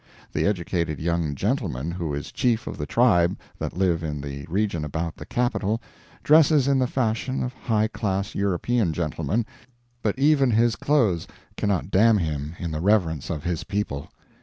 The educated young gentleman who is chief of the tribe that live in the region about the capital dresses in the fashion of high class European gentlemen, but even his clothes cannot damn him in the reverence of his people.